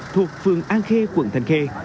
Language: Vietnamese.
thuộc phường an khê quận thành khê